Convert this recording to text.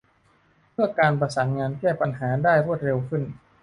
เพื่อการประสานงานแก้ปัญหาได้รวดเร็วขึ้น